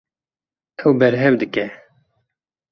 Ew berhev dike.